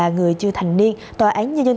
ngày một mươi bốn tháng một mươi hai